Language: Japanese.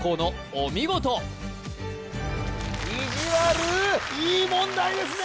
お見事意地悪いい問題ですね